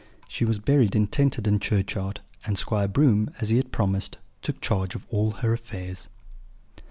She was buried in Tenterden churchyard, and Squire Broom, as he had promised, took charge of all her affairs.